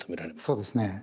そうですね